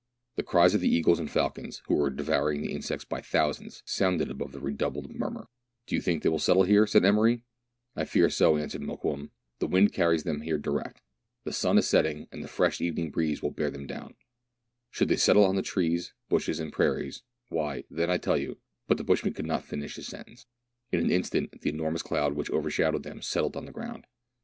The cries of the eagles and falcons, who were devouring the insects by thousands, sounded above the redoubled murmur. M 2 1 64 MERIDIAN a; the ADVENTURES OF " Do you think they will settle here ?" said Emery. " I fear so," answered Mokoum, " the wind carries them here direct. The sun is setting, and the fresh evening breeze will bear them down ; should they settle on the trees, bushes, and prairies, why, then I tell you ;" but the bushman could not finish his sentence. In an instant the enormous cloud which overshadowed them settled on the ground.